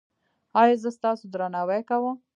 ایا زه ستاسو درناوی کوم؟